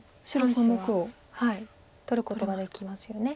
３子は取ることができますよね。